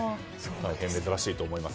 大変、珍しいと思います。